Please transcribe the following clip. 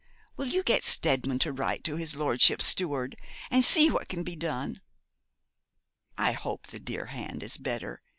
Will you get Steadman to write to his lordship's steward, and see what can be done? 'I hope the dear hand is better.